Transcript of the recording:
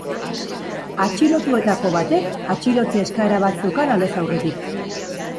Atxilotuetako batek atxilotze eskaera bat zeukan aldez aurretik.